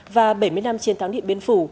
và bảy mươi năm chiến thắng địa biến phủ